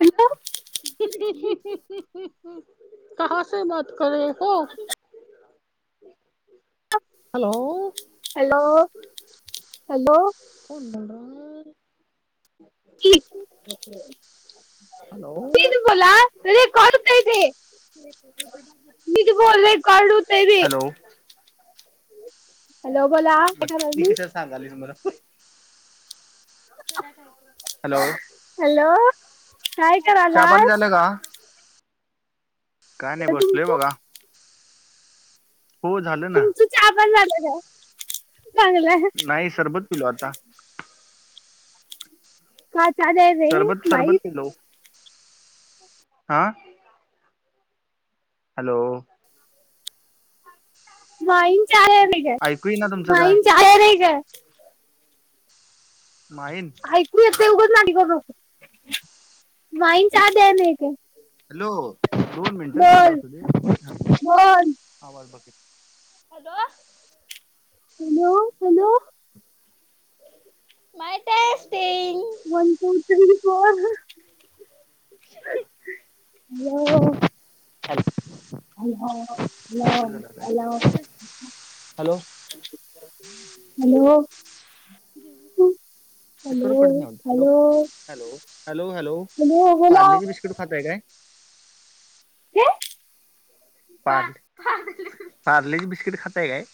Hello का स मात करे हो. हॅलो. Hello hello. होनड. ठीक. हॅलो त बोला तुझे कत इथ. नि बोलोल आहे कडत. हॅलो हॅलो बोला काय राहिली.. सांगालीचु मला. हॅलो. हॅलो काय चहापाणी करायलास झालंय का काय नाही बसलोय तुमचं बघा. हो झालं ना. तु आपण जातो का चांगलं आहे. नाही सरबत तुल आता. का. रे तररबत सरबत माई पिलो हा. हॅलो. माईन चायने का ऐकू ये ना तुमचं काय माईन चाय नाही का. माईन ऐकू य उघंच नािकत नक माईन च द्या नाही का. हॅलो दोन मिनटात चालू असली बोल आज बकी. हॅलो. हॅलो हॅलो मा ते अस तंग. मण क पण ह हॅलो हॅलो हॅलो. हॅलो. जेवलीस? स्पीकरवर पडत हॅलो नाही वाटतं. Hello hello hello hello. Parle G biscuit खाताय काय? काय? पा पार्ले जी बिस्कीट खाताय काय?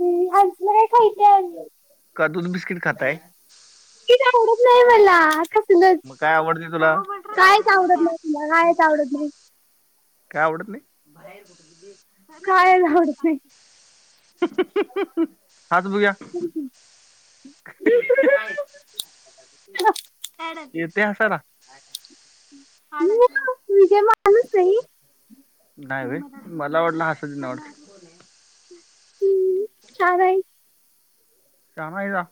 हम्म. असलं काय [unintelligible] का दूध बिस्किट खाताय? की आवडत नाही मला कसलच मग काय आवडते तुला काय च आवडत नाही? मला हेच आवडत नाही? काय आवडत नाही? [inaudible] अहं कायच आवडत नाही अहं हसं बघूया येतय हसायला? मी काय माणूस नाही? नाय व्हय मला वाटलं हसायला येत नाही वाढत. कोण ये? हम्म. चार हाईस. शान हैसा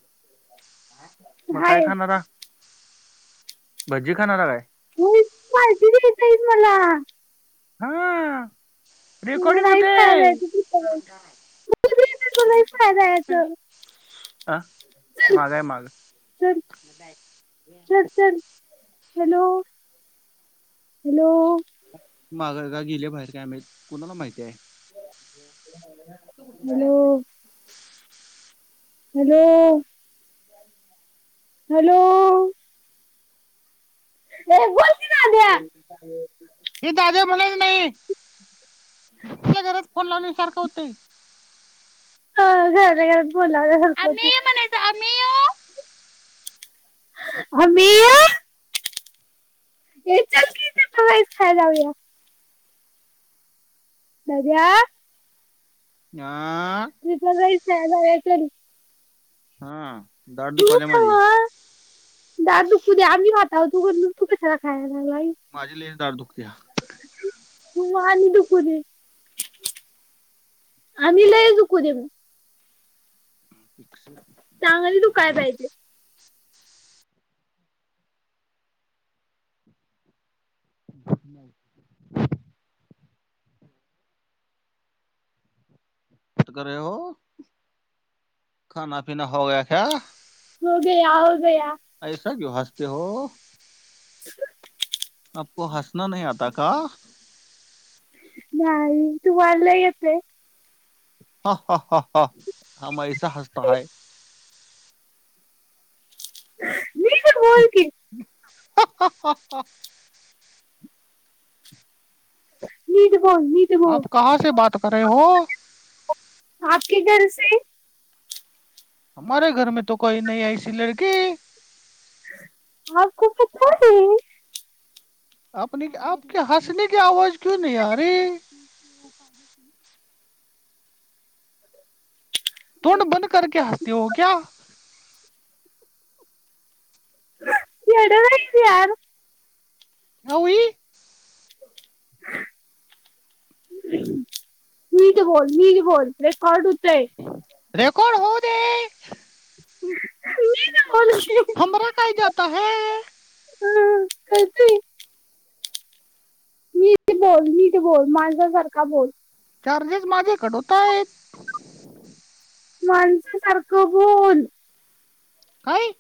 मग काय आहेस खाणार? भजी खाणारा काय? व्हय. पार्टी द्यायच हाईस मला. हा. मला रेकॉर्डिंग राईस खायला हुतय. जायचं तुला राईस खायला जायचं आ माग हाय माग. सर स सर हॅलो. हॅलो. माग का गेल्या बाहेर काय माहित कुणाला माहिती हाय? Hello hello. हॅलो. ए बोल की दाद्या? ए दाद्या म्हणायचं नाही. घरातल्या घरात फोन लावल्या सारखं हुतंय. अ घर घर बोलाल्या घरपती नाही म्हणायचं आम्ही आमी ये चल की बई तिथं [unintelligible] जयद्या. न्या ग्रुप ला [unintelligible] हा. दाड दुखल्या माझी. आ दात दुखू दे. आम्ही खाताव तू कशाला खयालईस? माझी लईच दाड दुखत्या. म माली दुखू दे. आणि लई दुखू दे एकस चांगली दुखाय पाहिजे. [unintelligible] क्या कर रहे हो खाना पिना हो गया क्या? हो गया हो गया ऐसा क्यू हसते हो. आपको हसना नही आता का? नाही तुम्हाला येतय? हा हा हा. हम ऐसा हसता है. नीट बोल की हा हा हा हा नीट बोल निट आप कहा से बात कर रहे हो? आपके घर से हमारे घर मे तो कोही नाही यसी लडकी [unintelligible] ह खू क [unintelligible] आप आपक हसने क आवाज क्यू नाही आ रे [unintelligible] [inaudible] तोंड बंद करक हसते हो क्या [unintelligible] जेड रते यार [unintelligible] नऊय [unintelligible] ह [unintelligible] नीट बोल नीट बोल रेकॉर्ड होतय. रेकॉर्ड होऊ दे नीट बोल की, हमरा काय जात आहे [unintelligible] नीट बोल नीट बोल माझ्या सारखा बोल चार्जेस माझेच कट होत आहेत. माणसा सारखं बोल. काय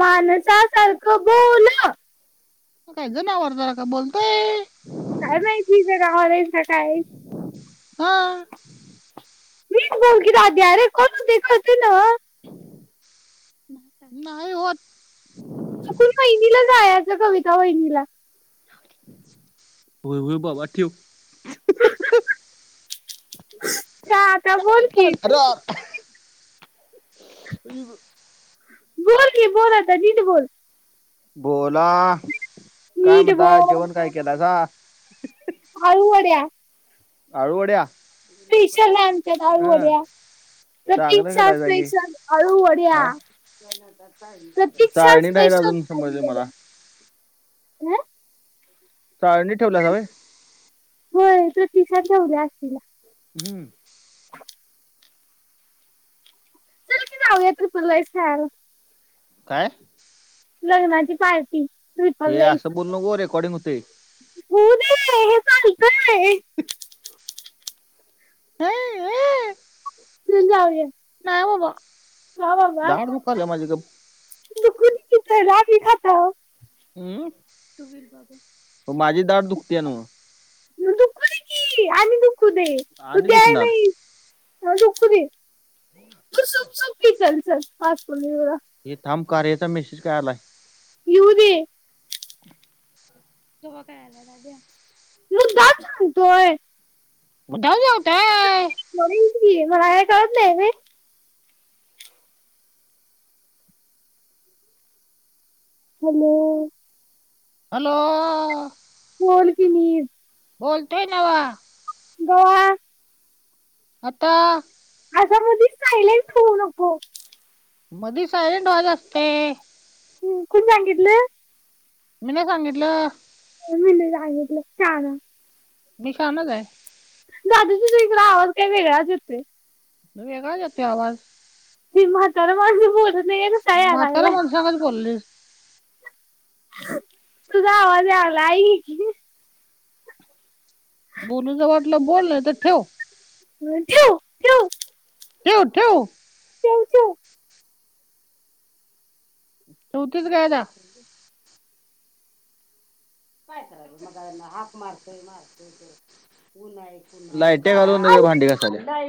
माणसा सारखं बोलं. मी काय जनावर सारखं बोलतोय. काय माहिती जनावर आहेसा काय. हा नीट बोल की दादया रेकॉर्ड होतय कळतंय नव्ह. नाही हो आत आपण वहिनीला जायच. कविता वहिनीला होय होय बाबा ठेव का आता बोल की? आई गं. बोल की बोल आता नीट बोल बोला काय नीट म्हणताय? बोल जेवण काय केलासा? आळू वड्या अळूवड्या स्पेशल आहे. आमच्यात अळूवड्या चांगलं प्रतीक्षा करायचा की स्पेशल अळूवड्या. हा प्रतीक्षा चाळणी नाहीत स्पेशल अजून समजले आळूवड्या. मला हा चाळनित ठेवलाइसा होय. होय. प्रतीक्षाच जाऊदे आरतीला हम्म [unintelligible] खाऊया ट्रिपल राईस खायला. काय? लग्नाची पार्टी ट्रिपल हे असं बोलू नको. रेकॉर्डिंग होतय. होउदे हे हे चालतय. हा हा चल जाऊया. नाही बाबा दाड दुखायल्या माझी गप्प [unintelligible] खाता हम्म माझी दाड दुखतेय नव म दुखू दे की आणि दुखू देय तू आणि द्याय दुखणार नाही. दुखू दे सूप सूप पिचल चल [unintelligible] वेळा. हे थांब कार्याचा मेसेज काय आलाय. येऊ दे. तवा काय आलाय दाद्या. मुद्दाम सांगतोय. मुद्दाम सांगतोय. [unintelligible] की मला काय कळत नाही होय. हॅलो हॅलो कोल की नी बोलतोय नव. गवा आता असा मधी सायलेंट होऊ नको. मधी सायलेंट व्हाच असतय. ह कोण सांगितलं? मी न सांगितलं. मीन सांगितलं शाना. मी शानाच आहे. दादा तुजा आवाज काय वेळेच येतोय. वेगळाच येतोय आवाज. ते म्हातार मानसं बोलत नाही काय तस ना म्हातार मणसांगच पोलीस. तुझा आवाज आलाय आई बोलूच वाटलं बोल नाही तर ठेव. अ ठेव. ठेव ठेव. चेव चेव ठेवतीस काय आता? काय करालीस मगाधरण हाक मारतंय मारतंय, ऊन हाय. लाइट्या घालून तिकडं अरे भांडी घासल्या.